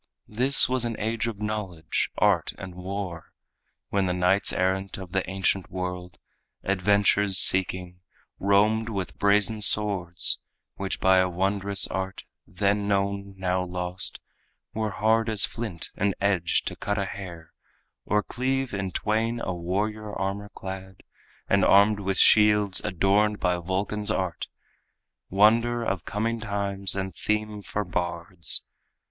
This was an age of knowledge, art and war, When the knights errant of the ancient world, Adventures seeking, roamed with brazen swords Which by a wondrous art then known, now lost Were hard as flint, and edged to cut a hair Or cleave in twain a warrior armor clad And armed with shields adorned by Vulcan's art, Wonder of coming times and theme for bards.